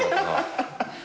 ハハハハ。